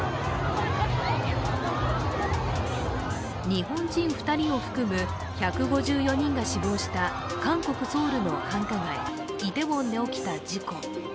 日本人２人を含む１５４人が死亡した韓国ソウルの繁華街、イテウォンで起きた事故。